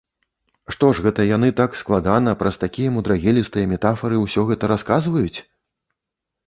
Што ж гэта яны так складана, праз такія мудрагелістыя метафары ўсё гэта расказваюць?